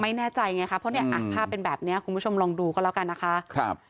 ไม่แน่ใจไงคะเพราะเนี่ยภาพเป็นแบบนี้คุณผู้ชมลองดูก็แล้วกันนะคะ